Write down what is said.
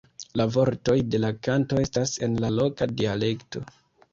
La vortoj de la kanto estas en la loka dialekto.